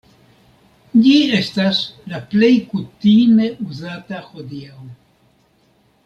Ĝi estas la plej kutime uzata hodiaŭ.